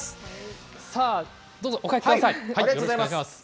さあ、どうぞ、おかけください。